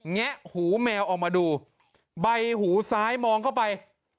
แงะหูแมวออกมาดูใบหูซ้ายมองเข้าไป